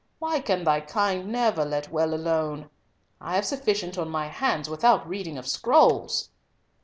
Why can thy kind never let well alone? I have sufficient on my hands without reading of scrolls!"